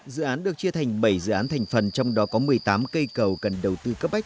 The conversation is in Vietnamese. dự án được chia thành bảy dự án thành phần trong đó có một mươi tám cây cầu cần đầu tư cấp bách